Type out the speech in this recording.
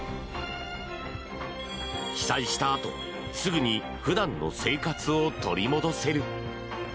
被災したあとすぐに普段の生活を取り戻せる。